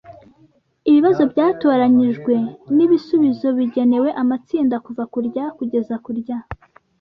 ibibazo byatoranyijwe n ibisubizo bigenewe amatsinda kuva ku rya kugeza ku rya